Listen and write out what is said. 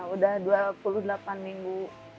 udah dua puluh delapan minggu